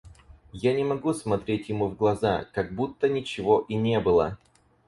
Я не могу смотреть ему в глаза, как будто ничего и не было.